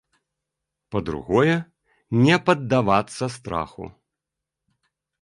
Па-другое, не паддавацца страху.